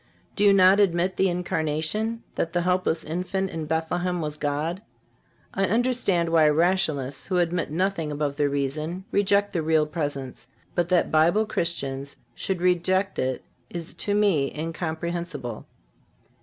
Do you not admit the Incarnation—that the helpless infant in Bethlehem was God? I understand why Rationalists, who admit nothing above their reason, reject the Real Presence; but that Bible Christians should reject it is to me incomprehensible.